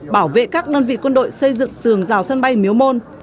bảo vệ các đơn vị quân đội xây dựng đất sân bay miếu môn